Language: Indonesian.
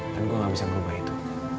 dan gue gak bisa merubah itu